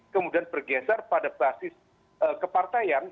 kemudian bergeser pada basis kepartaian